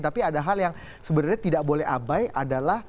tapi ada hal yang sebenarnya tidak boleh abai adalah